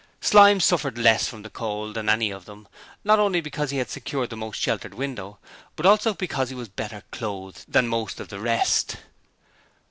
Slyme suffered less from the cold than any of them, not only because he had secured the most sheltered window, but also because he was better clothed than most of the rest.